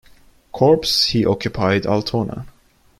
Corps he occupied Altona.